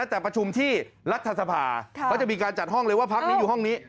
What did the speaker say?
แต่ประชุมที่รัฐสภาเขาจะมีการจัดห้องเลยว่าพักนี้อยู่ห้องนี้